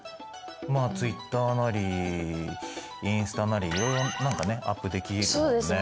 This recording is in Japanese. まあツイッターなりインスタなりいろいろ何かねアップできるもんね。